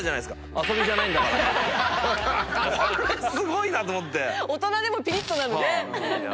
あれすごいなと思って。